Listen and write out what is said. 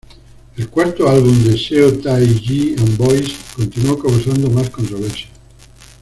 El cuarto álbum de Seo Tai-ji and Boys continuó causando más controversia.